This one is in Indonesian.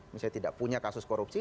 misalnya tidak punya kasus korupsi